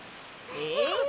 えっ？